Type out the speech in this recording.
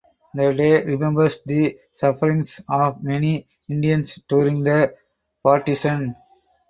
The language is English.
The day remembers the sufferings of many Indians during the partition.